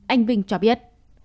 anh vinh cho biết